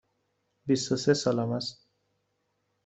بیست و سه سالم است.